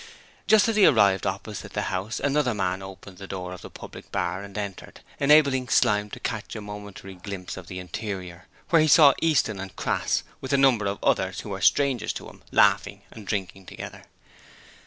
Just as he arrived opposite the house another man opened the door of the public bar and entered, enabling Slyme to catch a momentary glimpse of the interior, where he saw Easton and Crass with a number of others who were strangers to him, laughing and drinking together.